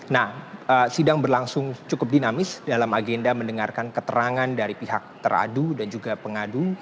nah sidang berlangsung cukup dinamis dalam agenda mendengarkan keterangan dari pihak teradu dan juga pengadu